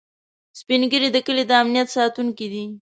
سپین ږیری د کلي د امنيت ساتونکي دي